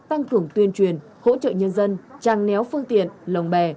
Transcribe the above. tăng cường tuyên truyền hỗ trợ nhân dân trang néo phương tiện lồng bè